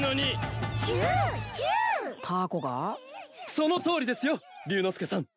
そのとおりですよ竜之介さん。